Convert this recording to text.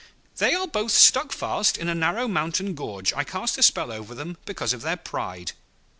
'They are both stuck fast in a narrow mountain gorge. I cast a spell over them because of their pride.'